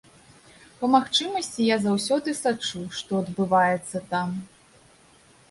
Па магчымасці я заўсёды сачу, што адбываецца там.